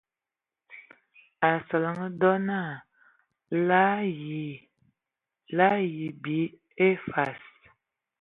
Asǝlǝg dɔ naa la ayi bibag ai fa.